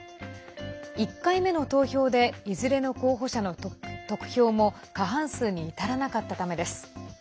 １回目の投票でいずれの候補者の得票も過半数に至らなかったためです。